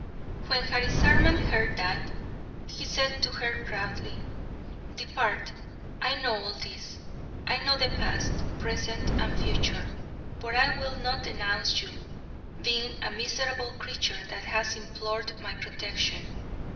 When Harisarman heard that, he said to her proudly: "Depart, I know all this; I know the past, present and future; but I will not denounce you, being a miserable creature that has implored my protection.